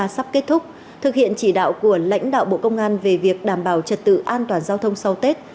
sắp kết thúc thực hiện chỉ đạo của lãnh đạo bộ công an về việc đảm bảo trật tự an toàn giao thông sau tết